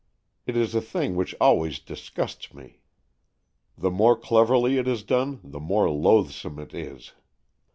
It is a thing which always disgusts me. The more cleverly it is done, the more loathsome it is.